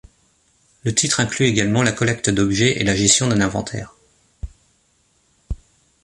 Le titre inclut également la collecte d'objets et la gestion d'un inventaire.